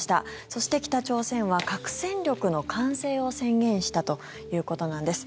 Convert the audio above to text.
そして北朝鮮は核戦力の完成を宣言したということなんです。